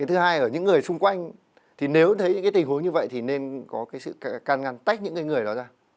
thứ hai ở những người xung quanh thì nếu thấy những tình huống như vậy thì nên có sự can ngăn tách những người đó ra